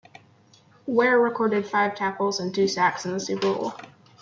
Ware recorded five tackles and two sacks in the Super Bowl.